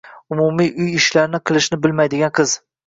umuman uy ishlarini qilishni bilmaydigan qiz.